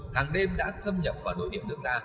hàng đêm đã thâm nhập vào nội địa nước ta